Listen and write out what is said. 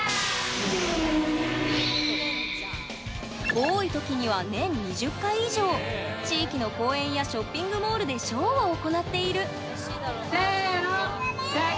多い時には年２０回以上、地域の公演やショッピングモールでショーを行っている。